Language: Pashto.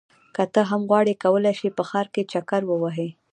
که ته هم غواړې کولی شې په ښار کې چکر ووهې.